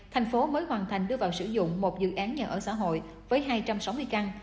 thành phố mới hoàn thành đưa vào sử dụng một dự án nhà ở xã hội với hai trăm sáu mươi căn